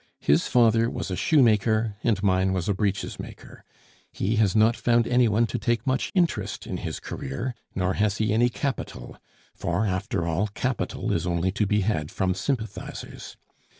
His father was a shoemaker, and mine was a breeches maker; he has not found anyone to take much interest in his career, nor has he any capital; for, after all, capital is only to be had from sympathizers.